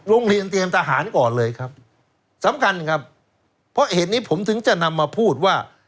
โรงเรียนเตรียมทหารก่อนเลยครับสำคัญครับเพราะเหตุนี้ผมถึงจะนำมาพูดว่า